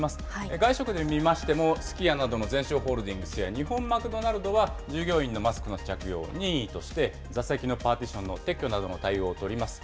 外食で見ましても、すき家などのゼンショーホールディングスや日本マクドナルドは、従業員のマスクの着用を任意として、座席のパーティションの撤去などの対応を取ります。